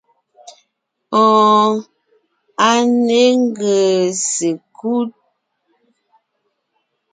Oon, a ne ńgèè sekú.